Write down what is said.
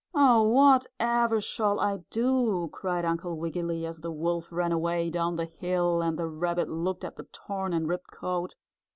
"Oh, whatever shall I do?" cried Uncle Wiggily as the wolf ran away down the hill and the rabbit looked at the torn and ripped coat.